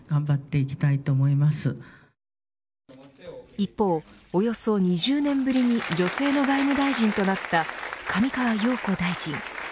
一方およそ２０年ぶりに女性の外務大臣となった上川陽子大臣。